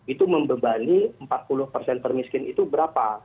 itu membebani empat puluh termiskin itu berapa